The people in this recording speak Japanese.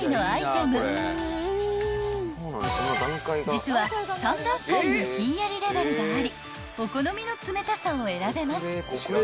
［実は３段階のひんやりレベルがありお好みの冷たさを選べます］